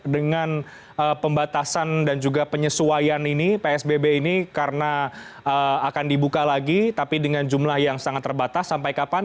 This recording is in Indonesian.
dengan pembatasan dan juga penyesuaian ini psbb ini karena akan dibuka lagi tapi dengan jumlah yang sangat terbatas sampai kapan